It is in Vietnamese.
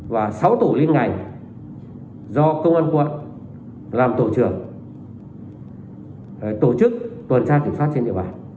và sáu tổ liên ngành do công an quận làm tổ trưởng tổ chức tuần tra kiểm soát trên địa bàn